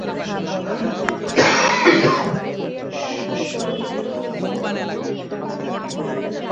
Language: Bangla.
গুটিকয়েক প্রকাশনা প্রতিষ্ঠান এই মেলা উপলক্ষে নতুন বই প্রকাশ করে থাকে।